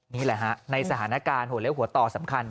นี่แหละฮะในสถานการณ์หัวเลี้ยหัวต่อสำคัญ